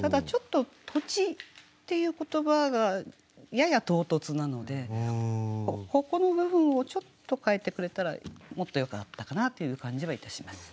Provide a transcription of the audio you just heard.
ただちょっと「土地」っていう言葉がやや唐突なのでここの部分をちょっと変えてくれたらもっとよかったかなという感じはいたします。